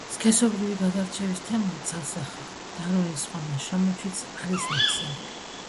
სქესობრივი გადარჩევის თემა, ცალსახაა, დარვინის სხვა ნაშრომებშიც არის ნახსენები.